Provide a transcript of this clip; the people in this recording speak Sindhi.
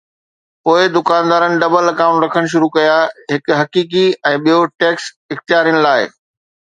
پوءِ دڪاندار ڊبل اڪائونٽ رکڻ شروع ڪيا، هڪ حقيقي ۽ ٻيو ٽيڪس اختيارين لاءِ.